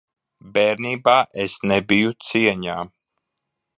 Bērnībā es nebiju cieņā.